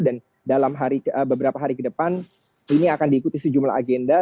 dan dalam beberapa hari ke depan ini akan diikuti sejumlah agenda